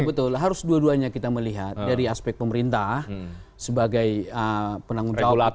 betul harus dua duanya kita melihat dari aspek pemerintah sebagai penanggung jawab